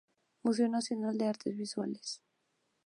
Museo Nacional de Artes Visuales.